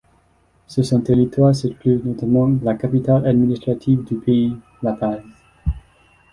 Sur son territoire se trouve notamment la capitale administrative du pays, La Paz.